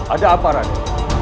ada apa radia